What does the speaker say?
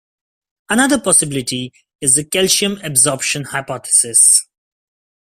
Another possibility is the calcium absorption hypothesis.